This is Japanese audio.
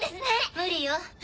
無理よ。